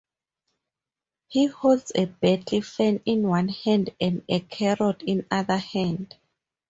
He holds a battle fan in one hand, and a carrot in the other.